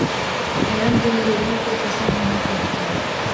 نرم دل لوگوں کے پسند نہیں کرتا